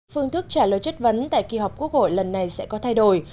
phương thức trả lời chất vấn tại kỳ họp quốc hội lần này sẽ có thay đổi